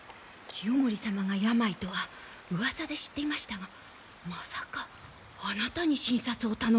清盛様が病とはうわさで知っていましたがまさかあなたに診察を頼みに見えるとは。